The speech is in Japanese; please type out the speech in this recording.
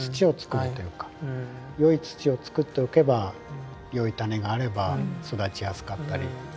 よい土を作っておけばよい種があれば育ちやすかったり。